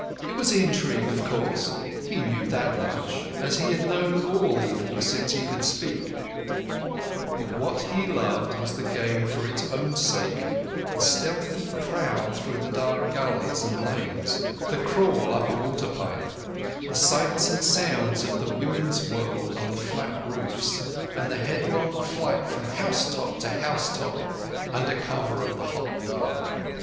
It was intrigue,—of course he knew that much, as he had known all evil since he could speak,—but what he loved was the game for its own sake—the stealthy prowl through the dark gullies and lanes, the crawl up a waterpipe, the sights and sounds of the women's world on the flat roofs, and the headlong flight from housetop to housetop under cover of the hot dark.